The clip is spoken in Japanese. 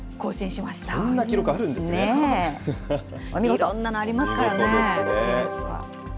いろんなのありますからね、ギネスは。